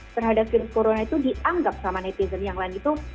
terhadap virus corona itu dianggap sama netizen yang lain itu